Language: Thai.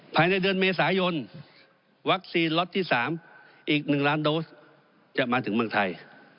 ภายในเดือนเมษายนวัคซีนล็อตที่๓อีก๑ล้านโดสจะมาถึงเมืองไทย